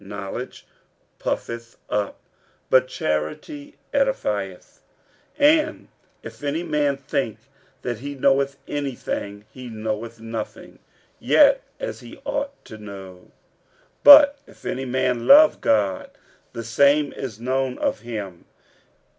Knowledge puffeth up, but charity edifieth. 46:008:002 And if any man think that he knoweth any thing, he knoweth nothing yet as he ought to know. 46:008:003 But if any man love God, the same is known of him.